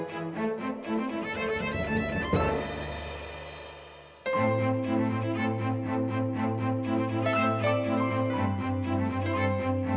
ทุกคนพร้อมแล้วขอเสียงปลุ่มมือต้อนรับ๑๒สาวงามในชุดราตรีได้เลยค่ะ